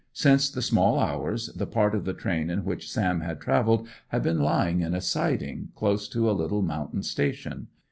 Since the small hours, the part of the train in which Sam had travelled had been lying in a siding, close to a little mountain station.